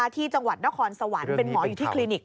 ที่จังหวัดนครสวรรค์เป็นหมออยู่ที่คลินิก